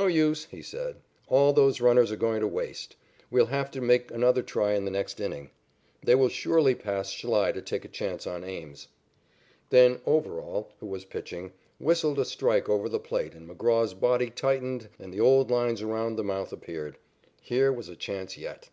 "No use," he said. "All those runners are going to waste. We'll have to make another try in the next inning. They will surely pass Schlei to take a chance on Ames." Then Overall, who was pitching, whistled a strike over the plate and McGraw's body tightened and the old lines around the mouth appeared. Here was a chance yet.